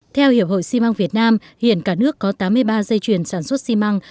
theo hiệp hội xi măng việt nam hiện cả nước có tám mươi ba dây chuyền sản xuất xi măng